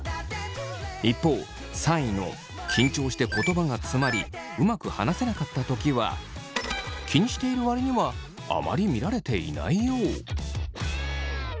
一方３位の緊張して言葉がつまりうまく話せなかったときは気にしている割にはあまり見られていないよう。